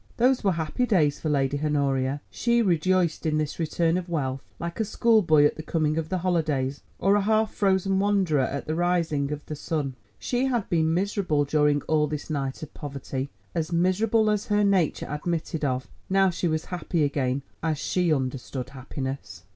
Those were happy days for Lady Honoria! She rejoiced in this return of wealth like a school boy at the coming of the holidays, or a half frozen wanderer at the rising of the sun. She had been miserable during all this night of poverty, as miserable as her nature admitted of, now she was happy again, as she understood happiness.